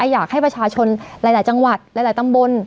อยากให้ประชาชนหลายจังหวัดหลายตำบล